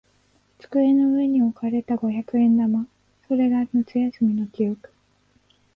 机の上に置かれた五百円玉。それが夏休みの記憶。